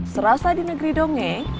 serasa di negeri dongeng